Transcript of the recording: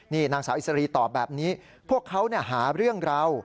นี่นางสาวอิสรีตอบแบบนี้พวกเขาหาเรื่องเรา